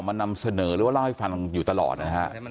นำเสนอหรือว่าเล่าให้ฟังอยู่ตลอดนะฮะ